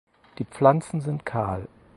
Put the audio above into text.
Die Pflanzen sind kahl.